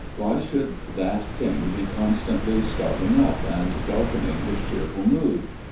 Why should that Thing be constantly starting up and darkening his cheerful mood?